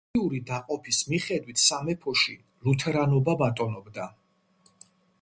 რელიგიური დაყოფის მიხედვით, სამეფოში ლუთერანობა ბატონობდა.